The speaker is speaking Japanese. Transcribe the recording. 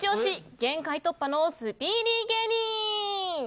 限界突破のスピーディー芸人！